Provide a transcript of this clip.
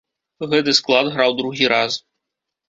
Гэты склад граў другі раз.